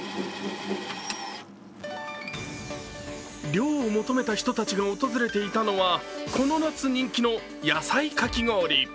涼を求めた人たちが訪れていたのはこの夏人気の野菜かき氷。